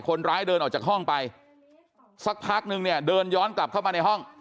คนร้ายเดินออกจากห้องไปสักพักนึงเนี่ยเดินย้อนกลับเข้ามาในห้อง